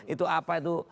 itu apa itu